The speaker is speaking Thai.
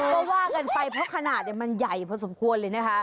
ก็ว่ากันไปเพราะขนาดมันใหญ่พอสมควรเลยนะคะ